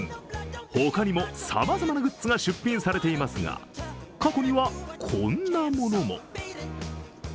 他にもさまざまなグッズが出品されていますが、過去にはこんなものも。